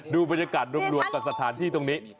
ดูบรรยากาศรวมกับสถานที่ตรงนี้